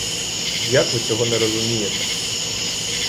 Як ви цього не розумієте?!